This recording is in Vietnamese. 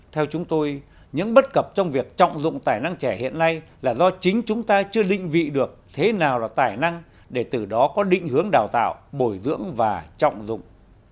theo chúng tôi những bất cập trong việc trọng dụng tài năng trẻ hiện nay là do chính chúng ta chưa định vị được thế nào là tài năng để từ đó có định hướng đào tạo bồi dưỡng và trọng dụng